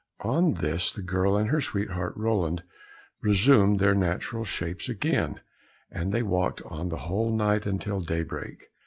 On this the girl and her sweetheart Roland resumed their natural shapes again, and they walked on the whole night until daybreak.